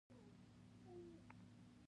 کاناډا د سرو زرو زیرمې پلورلي.